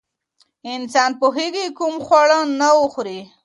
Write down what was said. انسان پوهېږي کوم خواړه نه وخوري.